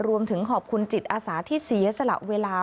รวมถึงขอบคุณจิตอาสาที่เสียสละเวลา